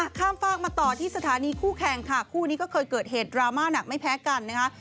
ข้ามฝากมาต่อที่สถานีคู่แข่งค่ะคู่นี้ก็เคยเกิดเหตุดราม่าหนักไม่แพ้กันนะคะ